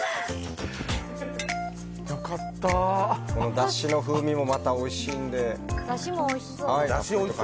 だしの風味もまたおいしいので。